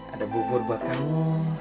ada bubur buat kamu